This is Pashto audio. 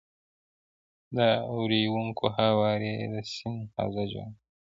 د اورینوکو هوارې د سیند حوزه جوړوي.